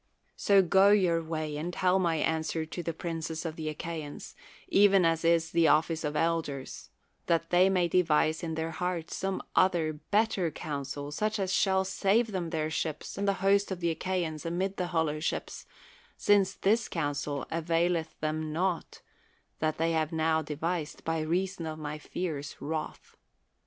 So go your way and tell my answer THE WORLD'S FAMOUS ORATIONS to the princes of the Achaians, even as is the office of elders, that they may devise in their hearts some other better counsel such as shall save them their ships and the host of the Achai aiis amid the hollow ships; since this counsel availeth them naught that they have now de vised by reason of ray fierce wrath.